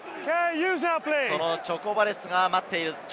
そのチョコバレスが待っている。